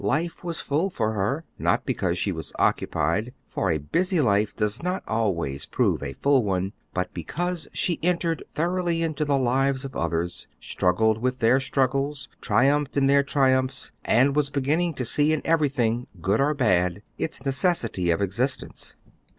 Life was full for her, not because she was occupied, for a busy life does not always prove a full one, but because she entered thoroughly into the lives of others, struggled with their struggles, triumphed in their triumphs, and was beginning to see in everything, good or bad, its necessity of existence.